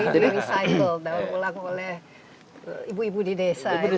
dari resaing atau pulang oleh ibu ibu di desa